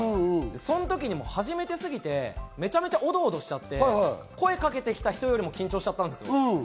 その時に初めて過ぎてめちゃめちゃオドオドして、声かけた人よりも緊張しちゃったんです。